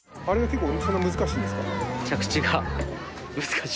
あれが結構そんな難しいんですか？